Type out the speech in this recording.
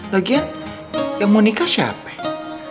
lagian yang mau nikah siapa ini